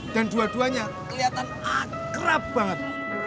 dan dua duanya keliatan akrab banget